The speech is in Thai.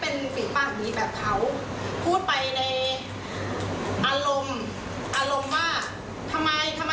โอผิดจริงเพราะว่าฮารากรับอารมณ์ไม่อยู่แล้วจริง